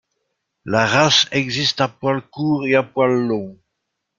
La race existe à poil court et à poil long.